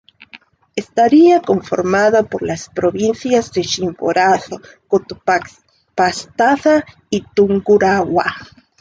Estaría conformada por las provincias de Chimborazo, Cotopaxi, Pastaza y Tungurahua.